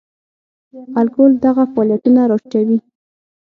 الکول دغه فعالیتونه را ټیټوي.